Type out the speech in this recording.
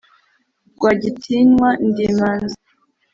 Rwagitinywa ndi imanzi,